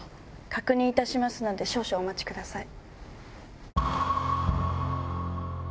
確認いたしますので少々お待ちください。